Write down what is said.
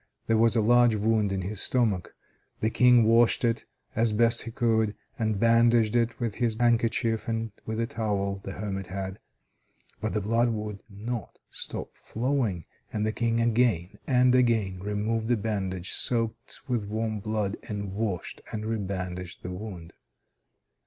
There was a large wound in his stomach. The King washed it as best he could, and bandaged it with his handkerchief and with a towel the hermit had. But the blood would not stop flowing, and the King again and again removed the bandage soaked with warm blood, and washed and rebandaged the wound.